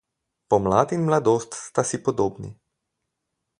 Pomlad in mladost sta si podobni.